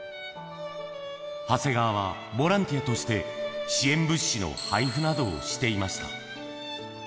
長谷川はボランティアとして支援物資の配布などをしていました。